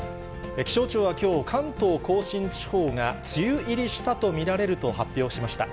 気象庁はきょう、関東甲信地方が梅雨入りしたと見られると発表しました。